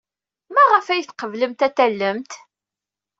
Maɣef ay tqeblemt ad tallemt?